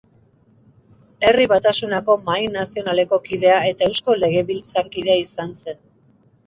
Herri Batasunako Mahai Nazionaleko kidea eta Eusko Legebiltzarkidea izan zen.